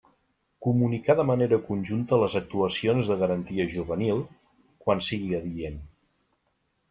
Comunicar de manera conjunta les actuacions de garantia juvenil, quan sigui adient.